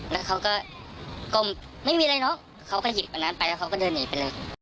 แล้วเขาก็ก้มไม่มีอะไรเนอะเขาก็หยิบอันนั้นไปแล้วเขาก็เดินหนีไปเลย